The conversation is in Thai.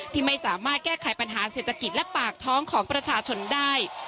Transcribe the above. ที่ไม่สามารถแก้ไขปัญหาเศรษฐกิจและปากท้องของประชาชนได้